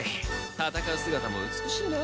戦う姿も美しいな。